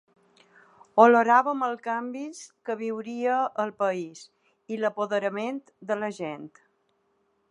Oloràvem els canvis que viuria el país i l’apoderament de la gent.